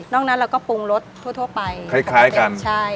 นั้นเราก็ปรุงรสทั่วไปคล้ายกันใช่